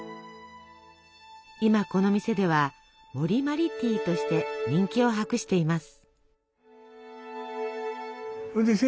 今この店では「森茉莉ティー」として人気を博しています。